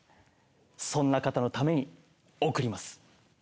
そんな方のために贈ります。